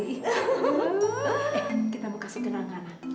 eh kita mau kasih kenal ngana